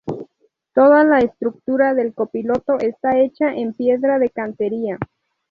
Toda la estructura del Capitolio está hecha en piedra de cantería.